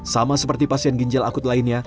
sama seperti pasien ginjal akut lainnya